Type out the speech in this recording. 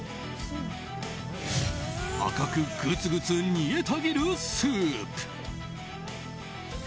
赤くグツグツ煮えたぎるスープ。